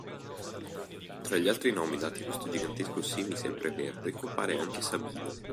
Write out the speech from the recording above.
Tra gli altri nomi dati a questo gigantesco semi-sempreverde, compare anche Sabino.